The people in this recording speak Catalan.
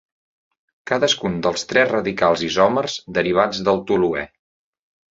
Cadascun dels tres radicals isòmers derivats del toluè.